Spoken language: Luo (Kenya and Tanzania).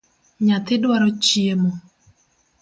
Nyathi dwaro chiemo